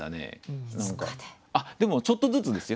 でもちょっとずつですよ。